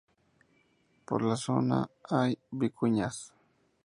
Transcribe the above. Por la zona hay vicuñas.